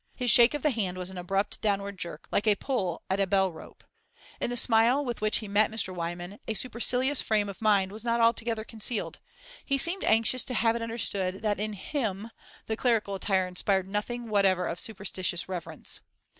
His shake of the hand was an abrupt downward jerk, like a pull at a bell rope. In the smile with which he met Mr. Wyvern a supercilious frame of mind was not altogether concealed; he seemed anxious to have it understood that in him the clerical attire inspired nothing whatever of superstitious reverence.